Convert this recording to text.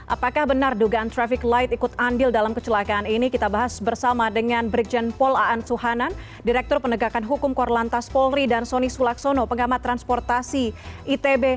apakah benar dugaan traffic light ikut andil dalam kecelakaan ini kita bahas bersama dengan brigjen pol aan suhanan direktur penegakan hukum korlantas polri dan soni sulaksono pengamat transportasi itb